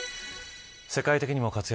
世界的にも活躍。